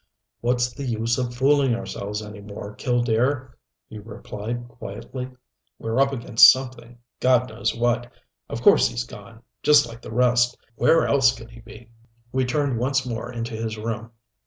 "What's the use of fooling ourselves any more, Killdare?" he replied quietly. "We're up against something God knows what. Of course he's gone just like the rest. Where else could he be?" We turned once more into his room.